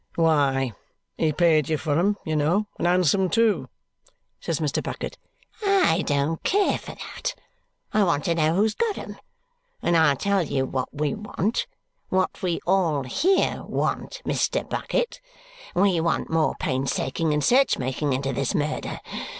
"Why, he paid you for them, you know, and handsome too," says Mr. Bucket. "I don't care for that. I want to know who's got 'em. And I tell you what we want what we all here want, Mr. Bucket. We want more painstaking and search making into this murder.